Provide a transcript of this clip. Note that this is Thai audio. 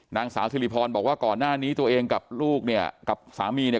นางสาวสิริพรบอกว่าก่อนหน้านี้ตัวเองกับลูกเนี่ยกับสามีเนี่ย